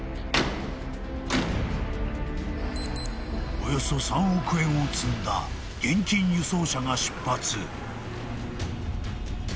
［およそ３億円を積んだ現金輸送車が出発］